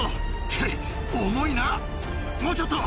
くっ重いなもうちょっと！